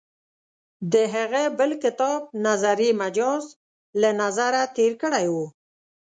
د هغه بل کتاب «نظریه مجاز» له نظره تېر کړی و.